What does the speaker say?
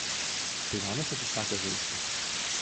Taivanas atsisakė žaisti.